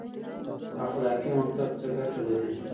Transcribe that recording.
اخلاقي مکتب څه ګټه لري؟